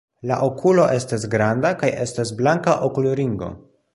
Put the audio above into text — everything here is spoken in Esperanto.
La okulo estas granda kaj estas blanka okulringo.